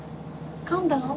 かんだの？